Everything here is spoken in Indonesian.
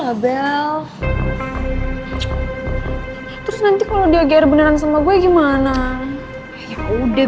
lalu nanti kalau dia mengadani perbicaraan tersebut dengan saya apakah